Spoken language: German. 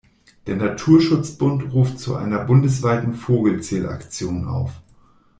Der Naturschutzbund ruft zu einer bundesweiten Vogelzählaktion auf.